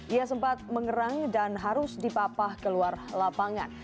ia sempat mengerang dan harus dipapah keluar lapangan